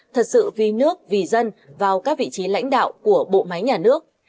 thật sự vì nước vì dân vào các vị trí lãnh đạo của bộ máy nhà nước